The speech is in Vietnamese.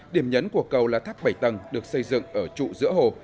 điểm nhấn của cầu là tháp bảy tầng được xây dựng ở trụ giữa hồ